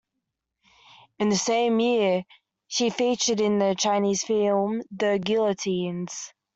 In the same year, she featured in the Chinese film, "The Guillotines".